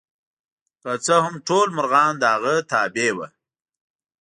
که څه هم ټول مرغان د هغه تابع وو.